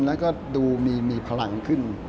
แล้วก็ดูมีพลังขึ้น